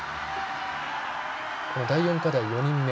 この第４課題、４人目。